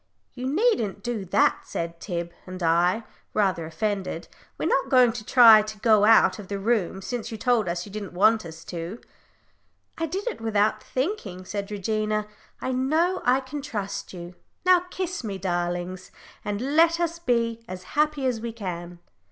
"You needn't do that," said Tib and I, rather offended; "we're not going to try to go out of the room, since you told us you didn't want us to." "I did it without thinking," said Regina. "I know I can trust you. Now kiss me, darlings, and let us be as happy as we can."